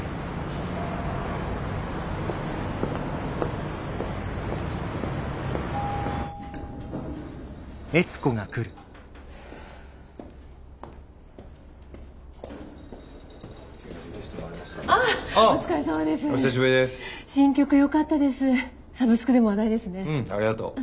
うんありがとう。